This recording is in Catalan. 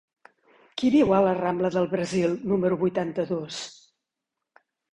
Qui viu a la rambla del Brasil número vuitanta-dos?